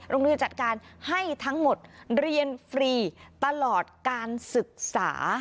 โรงเรียนจัดการให้ทั้งหมดเรียนฟรีตลอดการศึกษา